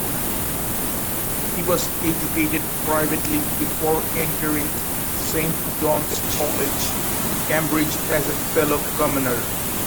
He was educated privately before entering Saint John's College, Cambridge as a fellow commoner.